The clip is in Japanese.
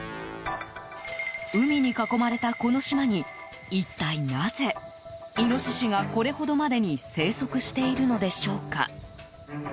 海に囲まれたこの島に一体なぜ、イノシシがこれほどまでに生息しているのでしょうか。